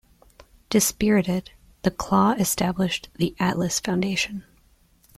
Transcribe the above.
Dispirited, the Claw established the Atlas Foundation.